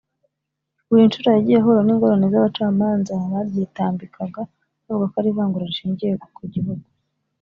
Buri nshuro yagiye ahura n’ingorane z’abacamanza baryitambikaga bavuga ko ari ivangura rishingiye ku gihugu